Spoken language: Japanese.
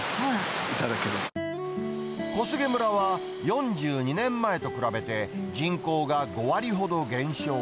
小菅村は４２年前と比べて人口が５割ほど減少。